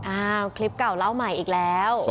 อ้าวคลิปเก่าเล่าใหม่อีกแล้ว